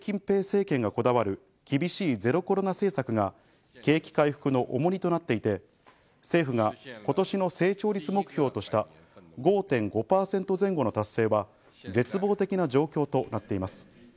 ただシュウ・キンペイ政権がこだわる厳しいゼロコロナ政策が景気回復の重荷となっていて、政府が今年の成長率目標とした５．５％前後の達成は絶望的な状況となっています。